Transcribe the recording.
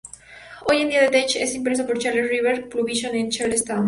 Hoy en día "The Tech" es impreso por Charles River Publishing en Charlestown.